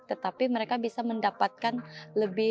tetapi mereka bisa mendapatkan lebih